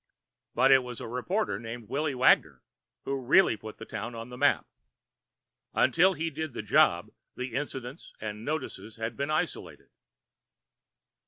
But it was a reporter named Willy Wagoner who really put the town on the map. Until he did the job, the incidents and notices had been isolated.